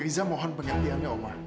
riza mohon pengertiannya oma